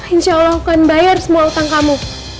insya allah aku akan bayar semua hutang kamu